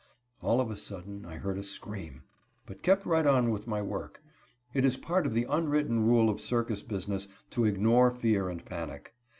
All of a sudden I heard a scream, but kept right on with my work. It is part of the unwritten rule of circus business to ignore fear and panic.